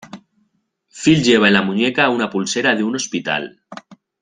Phil lleva en la muñeca una pulsera de un hospital.